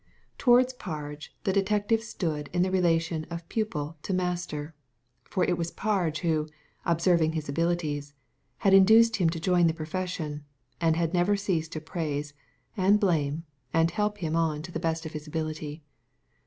Towards Parge, the detective stood in the relation of pupil to master ; for it was Parge who, observing his abilities, had induced him to join the profession, and had never ceased to praise, and blame, and help him on to the best of his ability.